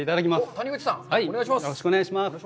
谷口さん、よろしくお願いします。